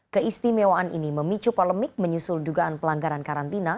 keistimewaan ini memicu polemik menyusul dugaan pelanggaran karantina